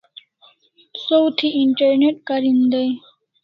Saw thi internet karin dai